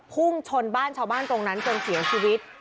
พุ่งชนบ้านชาวบ้านตรงนั้นจนเสียชีวิต